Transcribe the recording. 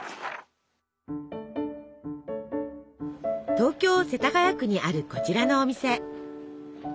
東京世田谷区にあるこちらのお店。